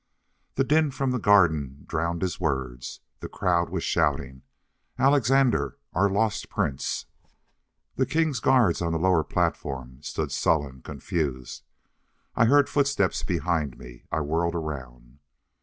The din from the garden drowned his words. The crowd was shouting: "Alexandre! Our lost prince!" The king's guards on the lower platform stood sullen, confused. I heard footsteps behind me. I whirled around.